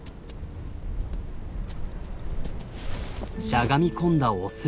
しゃがみ込んだオス。